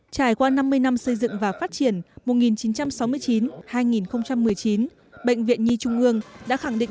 trải qua năm mươi năm xây dựng và phát triển mùa một nghìn chín trăm sáu mươi chín hai nghìn một mươi chín bệnh viện nhi trung ương đã khẳng định